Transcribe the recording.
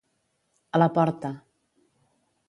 A la porta.